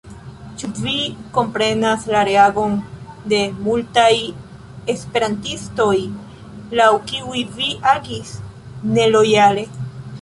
Ĉu vi komprenas la reagon de multaj esperantistoj, laŭ kiuj vi agis nelojale?